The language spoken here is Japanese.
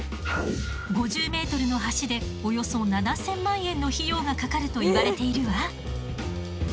５０ｍの橋でおよそ７，０００万円の費用がかかるといわれているわ。